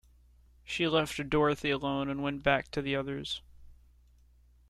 She left Dorothy alone and went back to the others.